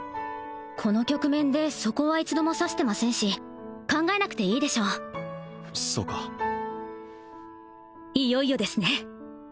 この局面でそこは一度も指してませんし考えなくていいでしょうそうかいよいよですね